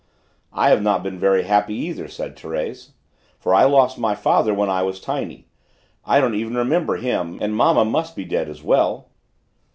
"I have not been very happy either," said Thérèse, "for I lost my father when I was tiny: I don't even remember him; and mamma must be dead as well."